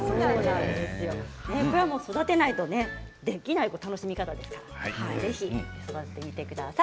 これは育てないとできない楽しみ方ですからぜひ育ててください。